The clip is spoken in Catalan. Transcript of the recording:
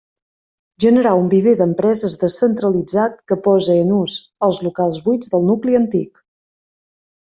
Generar un viver d'empreses descentralitzat, que pose en ús els locals buits del nucli antic.